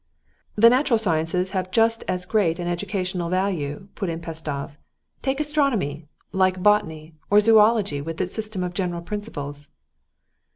"The natural sciences have just as great an educational value," put in Pestsov. "Take astronomy, take botany, or zoology with its system of general principles."